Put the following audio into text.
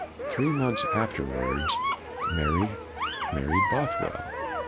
Three months afterwards, Mary married Bothwell.